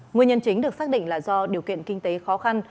nguyên nhân chính được xác định là do điều kiện kinh tế khó khăn